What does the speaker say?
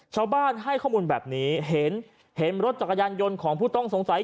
ชาวบ้านให้ข้อมูลแบบนี้เห็นเห็นรถจักรยานยนต์ของผู้ต้องสงสัย